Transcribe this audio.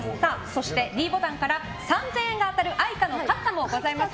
そしてｄボタンから３０００円が当たる愛花のカフカもございます。